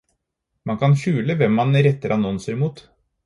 Man kan skjule hvem man retter annonser mot.